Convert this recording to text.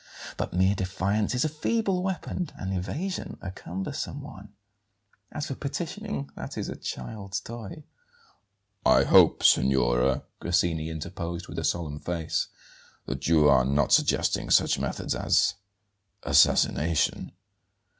But mere defiance is a feeble weapon and evasion a cumbersome one. As for petitioning, that is a child's toy." "I hope, signora," Grassini interposed, with a solemn face; "that you are not suggesting such methods as assassination?"